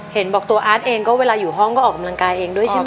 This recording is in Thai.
เห็นบอกตัวอาร์ตเองก็เวลาอยู่ห้องก็ออกกำลังกายเองด้วยใช่ไหม